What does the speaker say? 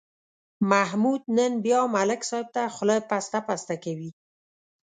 محمود نن بیا ملک صاحب ته خوله پسته پسته کوي.